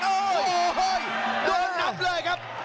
โอ้โหเฮ้ยด้วยลำนับเลยครับ